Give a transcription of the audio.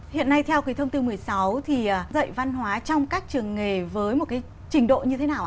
hiện nay theo cái thông tư một mươi sáu thì dạy văn hóa trong các trường nghề với một cái trình độ như thế nào ạ